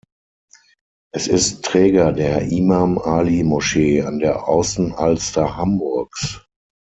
Es ist Träger der "Imam-Ali-Moschee" an der Außenalster Hamburgs.